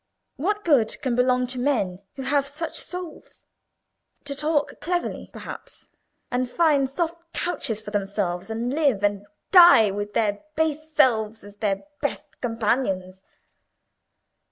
What good can belong to men who have such souls? To talk cleverly, perhaps, and find soft couches for themselves, and live and die with their base selves as their best companions."